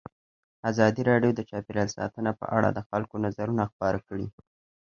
ازادي راډیو د چاپیریال ساتنه په اړه د خلکو نظرونه خپاره کړي.